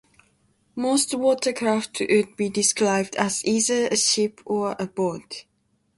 Most watercraft would be described as either a ship or a boat.